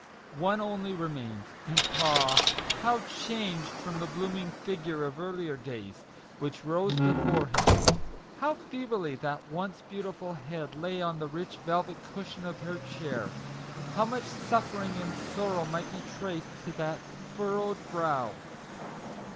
One only remained, and ah ! how changed from the blooming figure of earlier days, which rose before him ! How feebly that once beautiful head lay on the rich velvet cushion of her chair ! How much suffering and sorrow might be traced on that furrowed brow